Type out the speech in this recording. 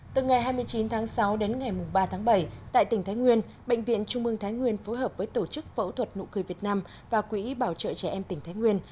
từ ngày hai mươi chín tháng sáu đến ngày ba tháng bảy tại tỉnh thái nguyên bệnh viện trung mương thái nguyên phối hợp với tổ chức phẫu thuật nụ cười việt nam và quỹ bảo trợ trẻ em tỉnh thái nguyên